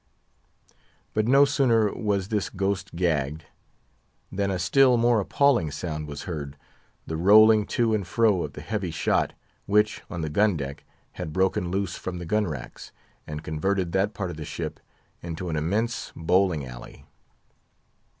But no sooner was this ghost gagged, than a still more appalling sound was heard, the rolling to and fro of the heavy shot, which, on the gun deck, had broken loose from the gun racks, and converted that part of the ship into an immense bowling alley.